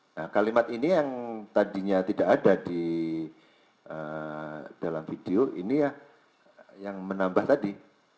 nah kalimat ini yang tadinya tidak ada di dalam video ini ya yang menambah tadi